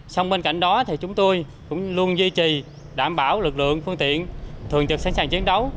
xong bên cạnh đó thì chúng tôi cũng luôn duy trì đảm bảo lực lượng phương tiện thường trực sẵn sàng chiến đấu